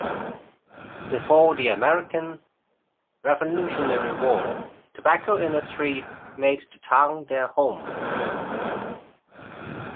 Before the American Revolutionary War, tobacco industries made the town their home.